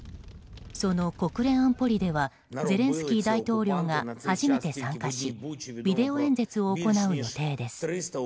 その国連安保理ではゼレンスキー大統領が初めて参加しビデオ演説を行う予定です。